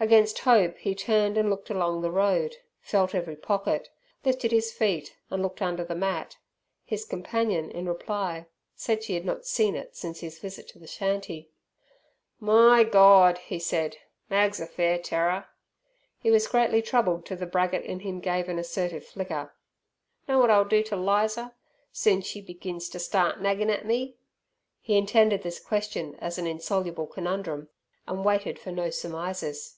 Against hope he turned and looked along the road; felt every pocket, lifted his feet, and looked under the mat. His companion, in reply, said she had not seen it since his visit to the shanty. "My Gord!" he said, "Mag's a fair terror!" He was greatly troubled till the braggart in him gave an assertive flicker. "Know wot I'll do ter Lizer soon's she begins ter start naggin' at me?" He intended this question as an insoluble conundrum, and waited for no surmises.